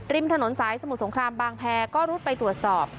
ถนนสายสมุทรสงครามบางแพรก็รุดไปตรวจสอบ